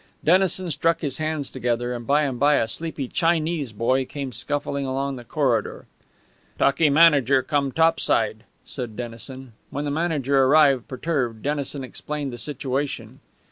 Dennison struck his hands together, and by and by a sleepy Chinese boy came scuffling along the corridor. "Talkee manager come topside," said Dennison. When the manager arrived, perturbed, Dennison explained the situation.